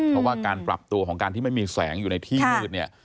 เพราะว่าการปรับตัวของการที่ไม่มีแสงอยู่ในที่มืดเนี่ย